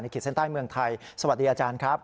ขีดเส้นใต้เมืองไทยสวัสดีอาจารย์ครับ